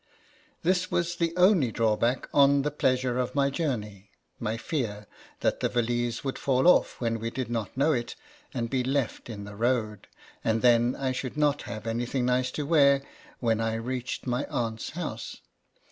This was the only drawback on the pleas ure of my journey, my fear that the valise would fall off when we did not know it, and be left in the road, and then I should not have anything nice to wear when I INTRODUCTION. reached my aunt's house.